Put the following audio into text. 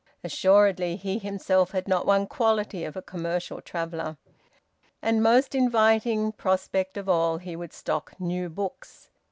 Assuredly he himself had not one quality of a commercial traveller. And, most inviting prospect of all, he would stock new books.